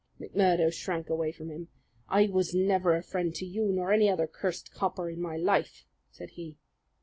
McMurdo shrank away from him. "I was never a friend to you nor any other cursed copper in my life," said he.